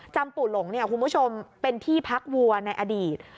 จำปู่หลงคุณผู้ชมเป็นที่พักวัวในอดีต